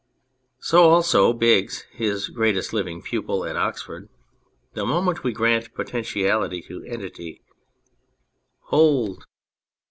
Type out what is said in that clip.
So also Biggs, his greatest living pupil at Oxford, "The moment we grant potentiality to entity Hold!